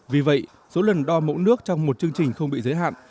vì vậy số lần đo mẫu nước trong một chương trình không bị giới hạn